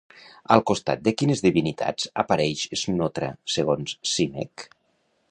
Al costat de quines divinitats apareix Snotra, segons Simek?